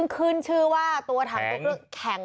ขออนุญาตนะ